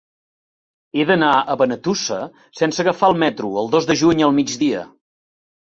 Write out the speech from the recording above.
He d'anar a Benetússer sense agafar el metro el dos de juny al migdia.